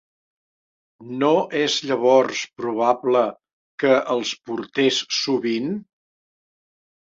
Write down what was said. No és llavors probable que els portés sovint?